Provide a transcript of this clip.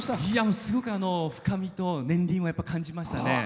すごく深みと年輪は感じましたね。